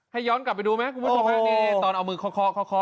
ให้ย้อนกลับไปดูไหมคุณครูตอนเอามือคอ